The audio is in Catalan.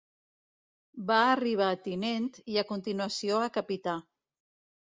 Va arribar a tinent i a continuació a capità.